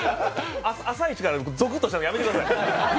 朝イチからゾクっとしたんで、やめてください。